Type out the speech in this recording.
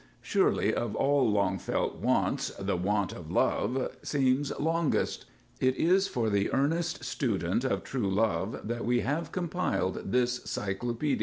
Surely of all long felt wants the want of love seems longest._ _It is for the earnest student of True Love that we have compiled this cyclopedia.